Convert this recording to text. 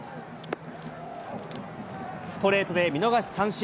ストレートで見逃し三振。